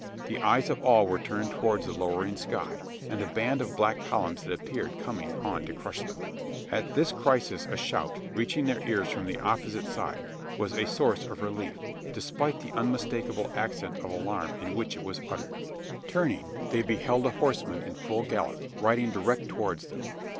The eyes of all were turned towards the lowering sky, and the band of black columns that appeared coming on to crush them! At this crisis a shout, reaching their ears from the opposite side, was a source of relief despite the unmistakable accent of alarm in which it was uttered. Turning, they beheld a horseman in full gallop riding direct towards them.